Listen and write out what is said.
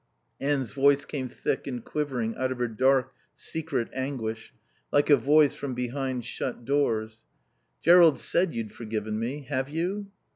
Anne's voice came thick and quivering out of her dark secret anguish, like a voice from behind shut doors. "Jerrold said you'd forgiven me. Have you?"